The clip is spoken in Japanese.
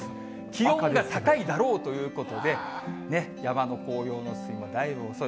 気温が高いだろうということで、山の紅葉の進みもだいぶ遅い。